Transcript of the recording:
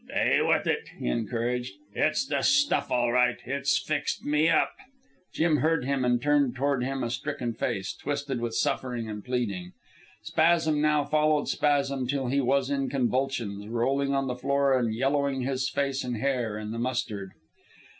"Stay with it," he encouraged. "It's the stuff all right. It's fixed me up." Jim heard him and turned toward him a stricken face, twisted with suffering and pleading. Spasm now followed spasm till he was in convulsions, rolling on the floor and yellowing his face and hair in the mustard.